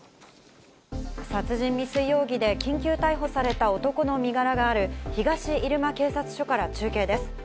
殺人未遂容疑で緊急逮捕された男の身柄がある東入間警察署から中継です。